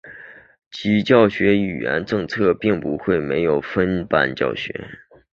其教学语言政策并不会设有分班教学。